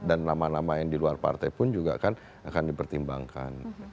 dan nama nama yang diluar partai pun juga akan dipertimbangkan